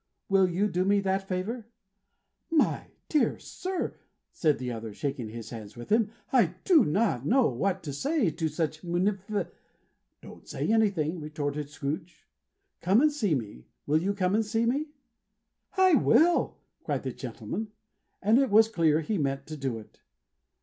Will you do me that favor?" "My dear sir," said the other, shaking hands with him, "I don't know what to say to such munifi " "Don't say anything, please," retorted Scrooge. "Come and see me. Will you come and see me?" "I will!" cried the old gentleman. And it was clear he meant to do it.